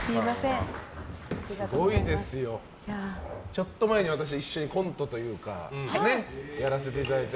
ちょっと前に私一緒にコントというかやらせていただいて。